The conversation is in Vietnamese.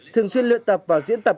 thường xuyên luyện tập và diễn tập